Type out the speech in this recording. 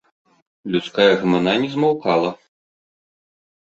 Людская гамана не змаўкала.